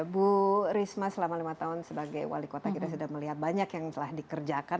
bu risma selama lima tahun sebagai wali kota kita sudah melihat banyak yang telah dikerjakan